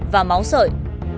và máu sợi